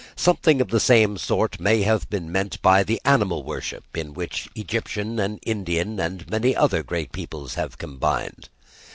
Something of the same sort may have been meant by the animal worship, in which Egyptian and Indian and many other great peoples have combined.